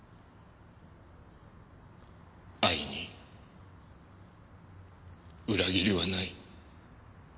愛に裏切りはない。